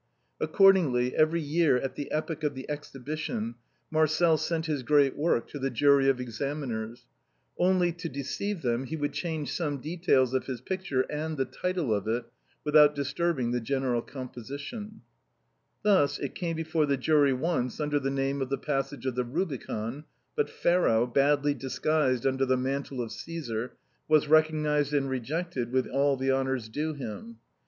Accordingly, every year at the epoch of the Exhi bition, Marcel sent his great work to the jury of examiners ; only, to deceive them, he would change some details of his picture, and the title of it, without disturbing the general composition. Thus, it came before the jury once, under the name of " The Passage of the Rubicon ;" but Pharaoh, badly dis 195 196 THE BOHEMIANS OF THE LATIN QUARTER. guised under the mantle of Caesar, was recognized and re jected with all the honors due him.